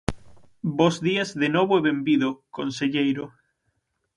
Bos días de novo e benvido, conselleiro.